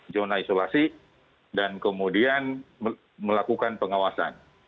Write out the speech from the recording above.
zona isolasi dan kemudian melakukan pengawasan